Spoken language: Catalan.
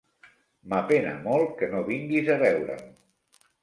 M'apena molt que no vinguis a veure'm.